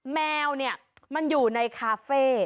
แมวเนี่ยมันอยู่ในคาเฟ่